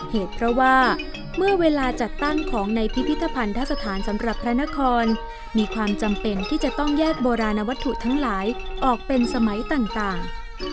เหตุเพราะว่าเมื่อเวลาจัดตั้งของในพิพิธภัณฑสถานสำหรับพระนครมีความจำเป็นที่จะต้องแยกโบราณวัตถุทั้งหลายออกเป็นสมัยต่าง